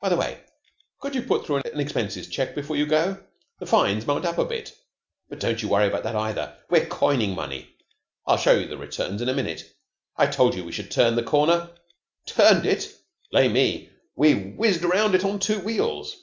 "By the way, could you put through an expenses cheque before you go? The fines mount up a bit. But don't you worry about that either. We're coining money. I'll show you the returns in a minute. I told you we should turn the corner. Turned it! Blame me, we've whizzed round it on two wheels.